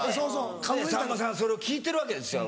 さんまさんそれを聞いてるわけですよ